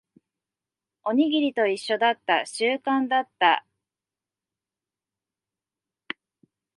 おにぎりと一緒だった。習慣だった。